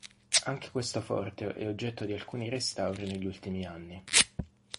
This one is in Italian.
Anche questo forte è oggetto di alcuni restauri negli ultimi anni.